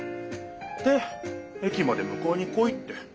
で駅までむかえに来いって。